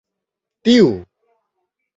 Tiu!